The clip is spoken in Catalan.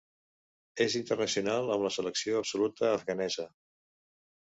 És internacional amb la selecció absoluta afganesa.